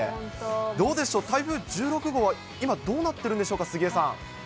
どうでしょう、台風１６号は今、どうなっているんでしょうか、杉江さん。